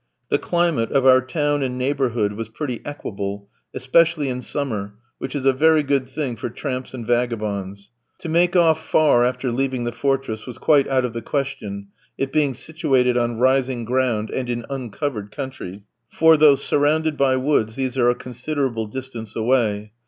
The climate of our town and neighbourhood was pretty equable, especially in summer, which is a very good thing for tramps and vagabonds. To make off far after leaving the fortress was quite out of the question, it being situated on rising ground and in uncovered country, for though surrounded by woods, these are a considerable distance away.